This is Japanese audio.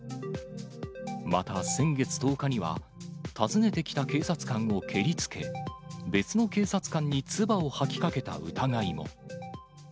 また先月１０日には、訪ねてきた警察官を蹴りつけ、別の警察官に唾を吐きかけた疑いも。